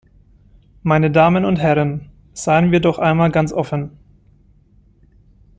Meine Damen und Herren, seien wir doch einmal ganz offen.